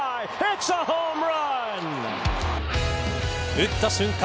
打った瞬間